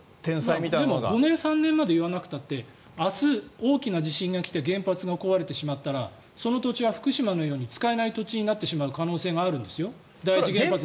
でも、５年、３年まで言わなくても明日、大きな地震が起きて原発が壊れてしまったらその土地は福島のように使えない土地になる可能性があるんですよ。